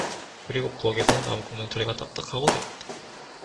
그리고 부엌에서는 나무 꺾는 소리가 딱딱 하고 들린다.